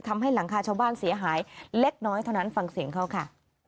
ทำให้หลังคาชาวบ้านเสียหายเล็กน้อยเท่านั้นฟังเสียงเขาค่ะ